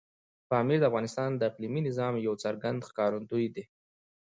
پامیر د افغانستان د اقلیمي نظام یو څرګند ښکارندوی دی.